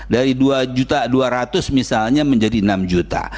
dari dua dua ratus misalnya menjadi enam juta